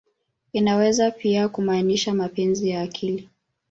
Inaweza pia kumaanisha "mapenzi ya akili.